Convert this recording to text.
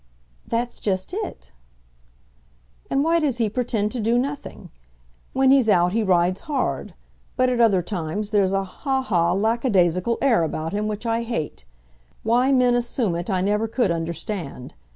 "That's just it." "And why does he pretend to do nothing? When he's out he rides hard; but at other times there's a ha ha, lack a daisical air about him which I hate. Why men assume it I never could understand.